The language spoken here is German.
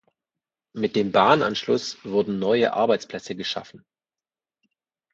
Mit dem Bahnanschluss wurden neue Arbeitsplätze geschaffen.